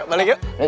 yuk balik yuk